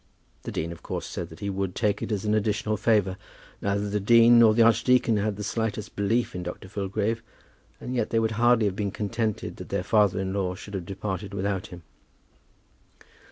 The dean of course said that he would take it as an additional favour. Neither the dean nor the archdeacon had the slightest belief in Dr. Filgrave, and yet they would hardly have been contented that their father in law should have departed without him.